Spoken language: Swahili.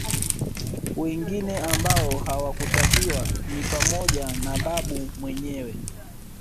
Wengine ambao hawakutakiwa ni pamoja na Babu mwenyewe